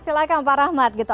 silahkan pak rahmat gitu